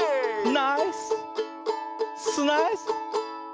ナイススナイス！